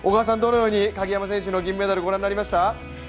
どのうように鍵山選手の銀メダル、ご覧になりました？